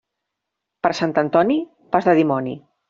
Per Sant Antoni, pas de dimoni.